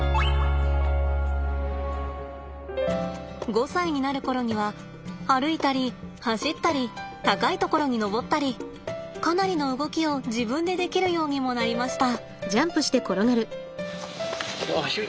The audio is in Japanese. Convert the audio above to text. ５歳になる頃には歩いたり走ったり高いところに登ったりかなりの動きを自分でできるようにもなりました。